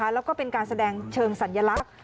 แล้วก็เป็นการแสดงเชิงสัญลักษณ์